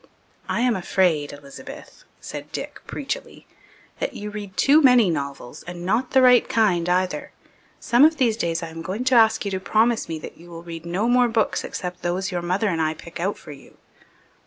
"I am afraid, Elizabeth," said Dick preachily, "that you read too many novels, and not the right kind, either. Some of these days I am going to ask you to promise me that you will read no more books except those your mother and I pick out for you."